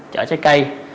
chở trái cây